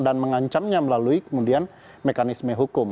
dan mengancamnya melalui kemudian mekanisme hukum